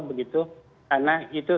begitu karena itu